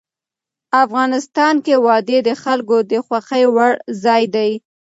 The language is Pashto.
افغانستان کې وادي د خلکو د خوښې وړ ځای دی.